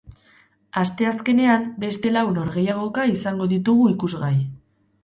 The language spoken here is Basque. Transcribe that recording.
Asteazkenean beste lau norgehiagoka izango ditugu ikusgai.